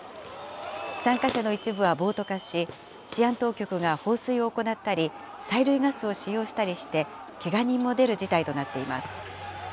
参加者の一部は暴徒化し、治安当局が放水を行ったり、催涙ガスを使用したりして、けが人も出る事態となっています。